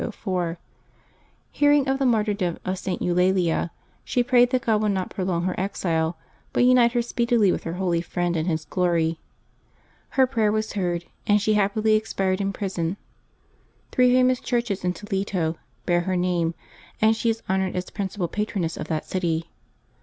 Hearing of the martyrdom of St. Eulalia, she prayed that God would not prolong her exile, but unite her speedily with her holy friend in His glory. Her prayer was heard, and she happily expired in prison. Three famous churches in Toledo bear her name, and she is honored as principal patroness of that city.